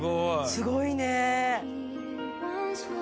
すごいね。